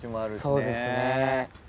そうですね。